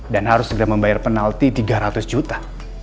dan harus segera membayar penalti tiga ratus juta